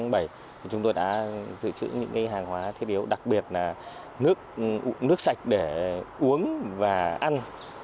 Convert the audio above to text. từ ngày hai mươi một tháng bảy chúng tôi đã dự trữ những hàng hóa thiết yếu đặc biệt là nước sạch để uống và ăn